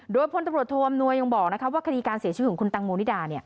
โดยพลตำรวจโทอำนวยยังบอกว่าคดีการเสียชีวิตของคุณตังโมนิดา